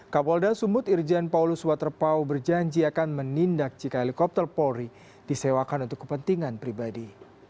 kapolda sumut irjen paulus waterpau berjanji akan menindak jika helikopter polri disewakan untuk kepentingan pribadi